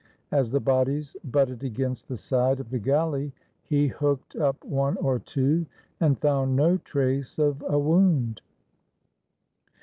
As the bodies butted against the side of the galley, he hooked up one or two and found no trace of a wound.